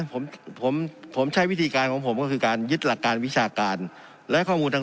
ผมผมใช้วิธีการของผมก็คือการยึดหลักการวิชาการและข้อมูลทาง